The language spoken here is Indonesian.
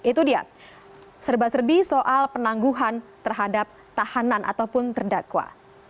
itu dia serba serbi soal penangguhan terhadap tahanan ataupun terdakwa